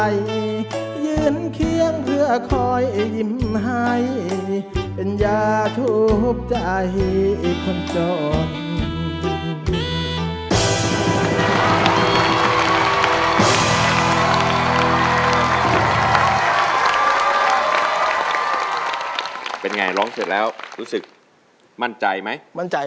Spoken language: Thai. ยืนเคียงเพื่อคอยยิ้มให้